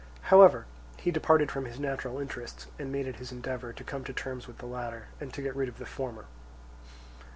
However, he departed from his natural interests and made it his endeavour to come to terms with the latter and to get rid of the former.